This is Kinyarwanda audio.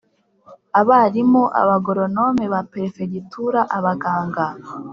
abarimu, abagoronome ba perefegitura, abaganga,